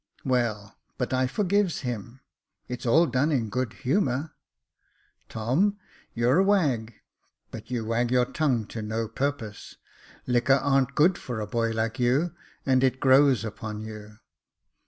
Well, but I forgives him ; it's all done in good humour." Tom, you're a wag , but you wag your tongue to no purpose. Liquor ar'n't good for a boy like you, and it grows upon you."